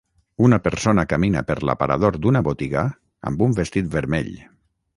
Una persona camina per l'aparador d'una botiga amb un vestit vermell.